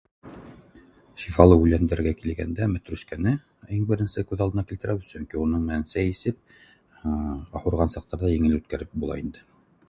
Шифалы үләндәргә килгәндә мәтрүшкәне иң беренсе күҙ алдына килтерәм, сөнки уның менән сәй эсеп, ауырыған саҡтарҙы еңел үткәреп була инде